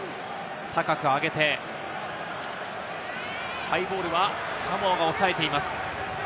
高く上げて、ハイボールはサモアが押さえています。